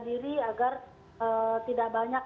diri agar tidak banyak